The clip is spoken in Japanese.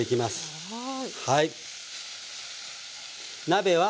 はい。